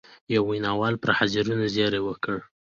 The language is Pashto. یوه ویناوال پر حاضرینو زېری وکړ.